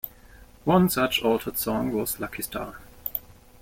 One such altered song was "Lucky Star".